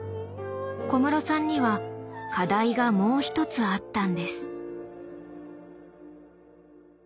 小室さんには課題がもう一つあったんです。